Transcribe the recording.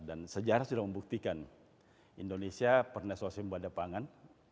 dan sejarah sudah membuktikan indonesia pernah sosembah ada pangan